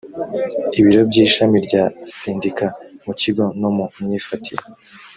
ibiro by ishami rya sendika mu kigo no mu myifatire